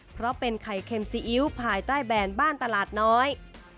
เพราะเป็นไข่เค็มซีอิ๊วภายใต้แบรนด์บ้านตลาดน้อย